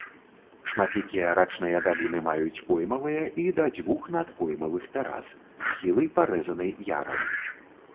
Шматлікія рачныя даліны маюць поймавыя і да дзвюх надпоймавых тэрас, схілы парэзаны ярамі.